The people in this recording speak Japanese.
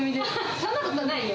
そんなことないよ。